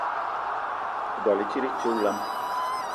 Ibwal i tit i ti olam.